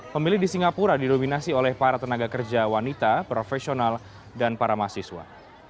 pemilih di singapura didominasi oleh para tenaga kerja wanita profesional dan para mahasiswa